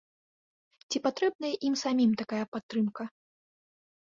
Ці патрэбная ім самім такая падтрымка.